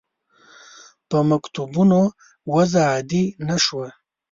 په مکتوبونو وضع عادي نه شوه.